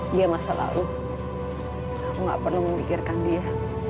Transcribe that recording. dia masa lalu aku gak perlu memikirkan dia